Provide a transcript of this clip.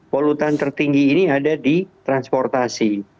polutan tertinggi ini ada di transportasi